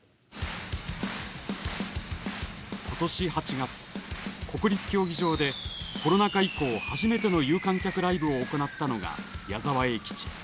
今年８月、国立競技場でコロナ禍以降初めての有観客ライブを行ったのが矢沢永吉。